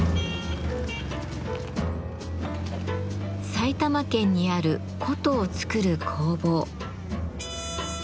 埼玉県にある箏を作る工房。